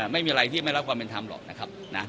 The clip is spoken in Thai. ไม่มีอะไรที่ไม่รับความเป็นธรรมหรอกนะครับ